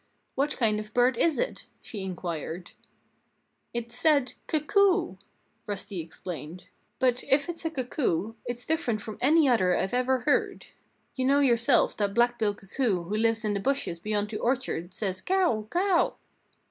"What kind of bird is it?" she inquired. "It said 'Cuckoo!'" Rusty explained. "But if it's a cuckoo, it's different from any other I've ever heard. You know yourself that Black Bill Cuckoo who lives in the bushes beyond the orchard says '_Cow, cow!